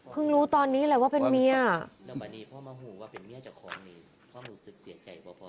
เพิ่งรู้ตอนนี้แหละว่าเป็นเมีย